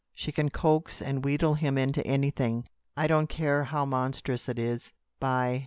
She can coax and wheedle him into anything, I don't care how monstrous it is. "By